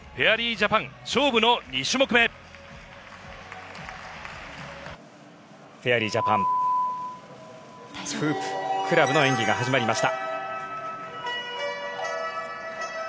ジャパン勝負の２種目フェアリージャパン、クラブの演技が始まりました。